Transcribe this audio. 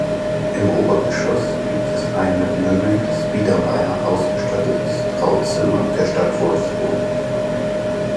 Im Obergeschoss gibt es ein mit Möbeln des Biedermeier ausgestattetes Trauzimmer der Stadt Wolfsburg.